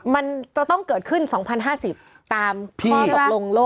มันจะต้องเกิดขึ้น๒๐๕๐ตามที่ตกลงโลก